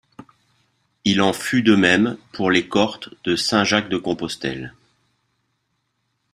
Il en fut de même pour les Cortes de Saint-Jacques-de-Compostelle.